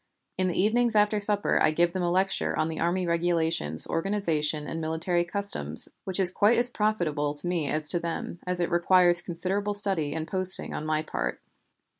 In the evenings after supper I give them a lecture on the Army Regulations, organization, and military customs, which is quite as profitable to me as to them, as it requires considerable study and posting on my part.